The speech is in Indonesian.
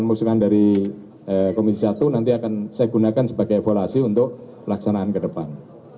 musuhkan dari komisi satu nanti akan saya gunakan sebagai evaluasi untuk pelaksanaan ke depan